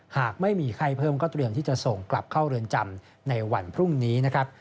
หากไม่มีไข้เพิ่มก็เตรียมที่จะส่งกลับเข้าเรือนจำในวันพรุ่งนี้นะครับ